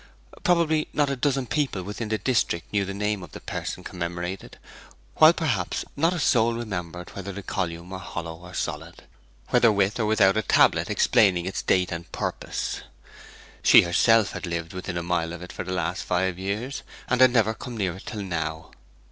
Probably not a dozen people within the district knew the name of the person commemorated, while perhaps not a soul remembered whether the column were hollow or solid, whether with or without a tablet explaining its date and purpose. She herself had lived within a mile of it for the last five years, and had never come near it till now.